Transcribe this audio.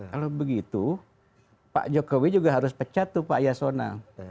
kalau begitu pak jokowi juga harus pecat tuh pak yasona